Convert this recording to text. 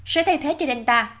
sẽ thay thế cho delta